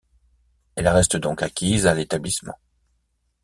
Elle reste donc acquise à l'établissement.